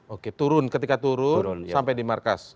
oke turun ketika turun sampai di markas